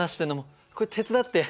これ手伝って。